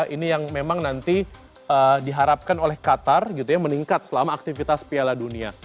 ini yang memang nanti diharapkan oleh qatar gitu ya meningkat selama aktivitas piala dunia